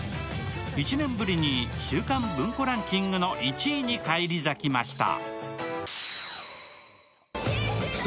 １年ぶりに週間文庫ランキングの１位に返り咲きました。